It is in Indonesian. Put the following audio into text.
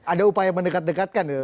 ada upaya mendekat dekatkan itu